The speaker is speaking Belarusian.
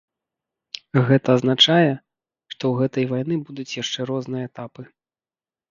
Гэта азначае, што ў гэтай вайны будуць яшчэ розныя этапы.